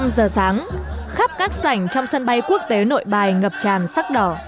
năm giờ sáng khắp các sảnh trong sân bay quốc tế nội bài ngập tràn sắc đỏ